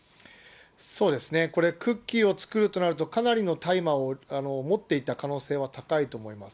そうですね、これ、クッキーを作るとなると、かなりの大麻を持っていた可能性は高いと思います。